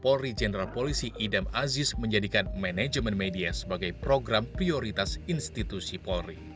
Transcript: dan kapolri jeneral polisi hidem aziz menjadikan manajemen media sebagai program prioritas institusi polri